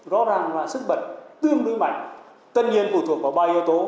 rõ ràng là sức bật tương đối mạnh tất nhiên phụ thuộc vào ba yếu tố